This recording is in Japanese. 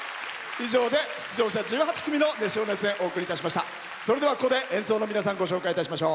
以上で出場者１８組の熱唱・熱演お送りいたしました。